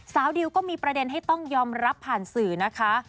ดิวก็มีประเด็นให้ต้องยอมรับผ่านสื่อนะคะ